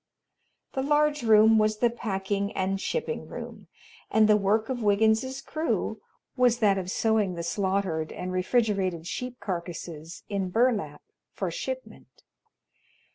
The large room was the packing and shipping room, and the work of Wiggins's crew was that of sewing the slaughtered and refrigerated sheep carcasses in burlap for shipment.